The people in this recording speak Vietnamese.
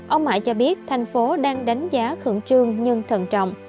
ông mãi cho biết thành phố đang đánh giá khưởng trương nhưng thận trọng